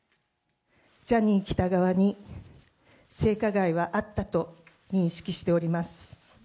ジャニー喜多川に性加害はあったと認識しております。